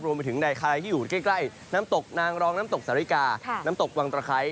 รวมไปถึงในใครที่อยู่ใกล้น้ำตกนางรองน้ำตกสาฬิกาน้ำตกวังตะไคร้